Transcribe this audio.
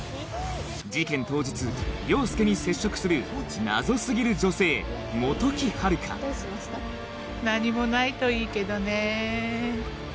事件当日凌介に接触する謎過ぎる女性本木陽香何もないといいけどね。ねぇ？